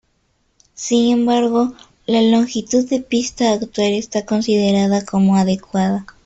Sin embargo, la longitud de pista actual está considerada como adecuada.